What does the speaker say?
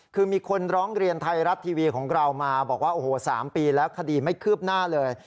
คือมีคนร้องเรียนไทยรัฐทีวีของเรามาบอกว่าโอ้โห๓ปีแล้วคดีไม่คืบหน้าเลย